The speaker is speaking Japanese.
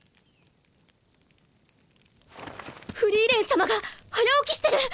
フリーレン様が早起きしてる‼